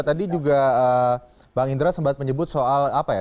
tadi juga bang indra sempat menyebut soal apa ya